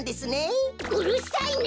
うるさいな！